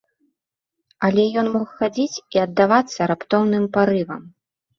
Але ён мог хадзіць і аддавацца раптоўным парывам.